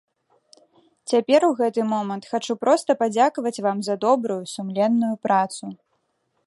Цяпер у гэты момант хачу проста падзякаваць вам за добрую, сумленную працу.